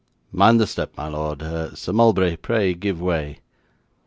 Mind the step, my lord Sir Mulberry, pray give way.